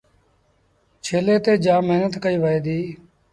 ڇيلي تي جآم مهنت ڪئيٚ وهي دي۔